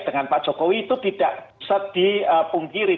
dengan pak jokowi itu tidak sedih punggiri